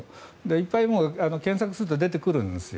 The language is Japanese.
いっぱい検索すると出てくるんですよ。